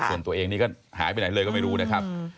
ส่วนตัวเองนี่ก็หายไปไหนเลยก็ไม่รู้นะครับ